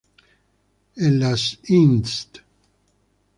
En las "Inst.